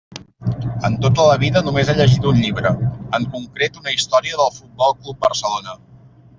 En tota la vida només he llegit un llibre, en concret una història del Futbol Club Barcelona.